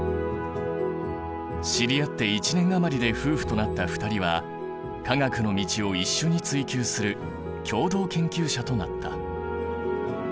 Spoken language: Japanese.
知り合って１年余りで夫婦となった２人は科学の道を一緒に追究する共同研究者となった。